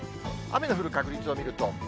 雨の降る確率を見ると。